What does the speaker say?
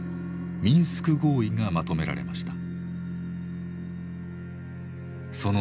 ミンスク合意がまとめられました。